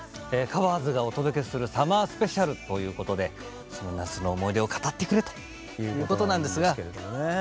「ｔｈｅＣｏｖｅｒｓ」がお届けする「サマースペシャル」ということでその夏の思い出を語ってくれということなんですが。